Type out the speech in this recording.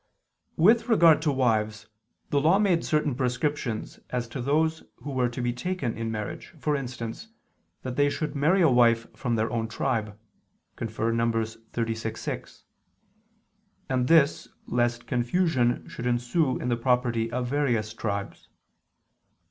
With regard to wives the Law made certain prescriptions as to those who were to be taken in marriage: for instance, that they should marry a wife from their own tribe (Num. 36:6): and this lest confusion should ensue in the property of various tribes.